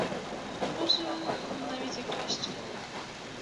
Може, навіть і краще.